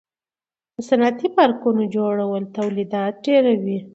د صنعتي پارکونو جوړول تولیدات ډیروي.